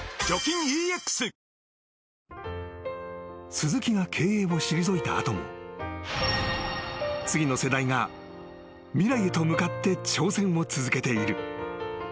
［鈴木が経営を退いた後も次の世代が未来へと向かって挑戦を続けている］